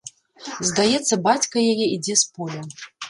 Здаецца, бацька яе ідзе з поля!